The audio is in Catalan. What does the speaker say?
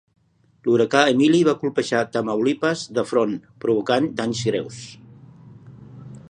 L'huracà Emily va colpejar Tamaulipas de front, provocant danys greus.